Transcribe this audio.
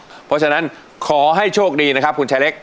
เพราะฉะนั้นขอให้โชคดีนะครับคุณชายเล็ก